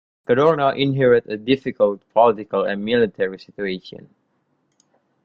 Cadorna inherited a difficult political and military situation.